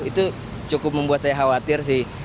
itu cukup membuat saya khawatir sih